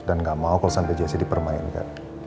dan gak mau kalau sampai jessy dipermainkan